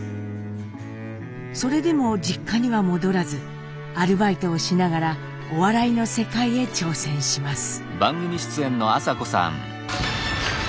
それでも実家には戻らずアルバイトをしながらお笑いの世界へ挑戦します。